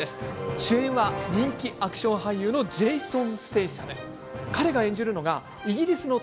主演は人気アクション俳優のジェイソン・ステイサム。